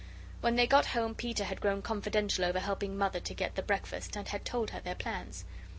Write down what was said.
When they got home Peter had grown confidential over helping Mother to get the breakfast and had told her their plans.